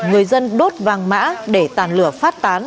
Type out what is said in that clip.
người dân đốt vàng mã để tàn lửa phát tán